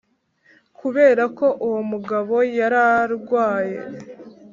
kubera ko uwo mugabo yararwaye.